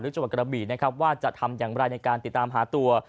จังหวัดกระบี่นะครับว่าจะทำอย่างไรในการติดตามหาตัว